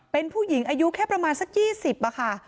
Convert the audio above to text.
เป็นผู้หญิงอายุแค่ประมาณสัก๒๐ค่ะ